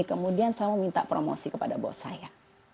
kemudian saya mau minta promosi kepada bos saya